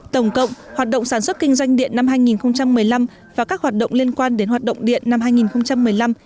tổng cộng hoạt động sản xuất kinh doanh điện năm hai nghìn một mươi năm và các hoạt động liên quan đến hoạt động điện năm hai nghìn một mươi năm